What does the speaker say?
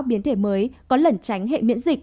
biến thể mới có lần tránh hệ miễn dịch